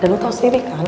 dan lu tau sih nih kan